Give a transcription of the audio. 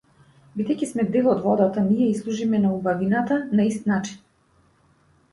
Бидејќи сме дел од водата, ние ѝ служиме на убавината на ист начин.